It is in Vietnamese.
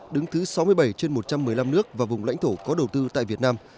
đứng thứ sáu mươi bảy trên một trăm một mươi năm nước và vùng lãnh thổ có đầu tư tại việt nam